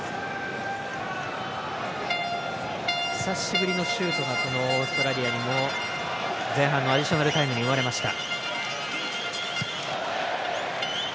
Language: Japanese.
久しぶりのシュートがオーストラリアの前半のアディショナルタイムに生まれました。